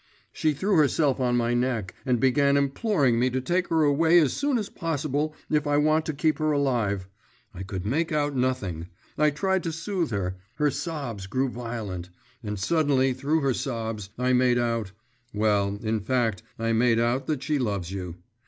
She threw herself on my neck and began imploring me to take her away as soon as possible, if I want to keep her alive.… I could make out nothing, I tried to soothe her.… Her sobs grew more violent, … and suddenly through her sobs I made out … well, in fact, I made out that she loves you.